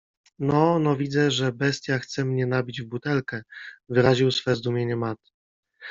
No, no widzę, że bestia chce mnie nabić w butelkę! - wyraził swe zdumienie Matt. -